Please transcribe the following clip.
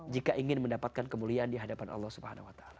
jika ingin mendapatkan kemuliaan dihadapan allah swt